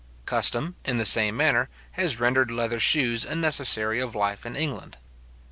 Custom, in the same manner, has rendered leather shoes a necessary of life in England.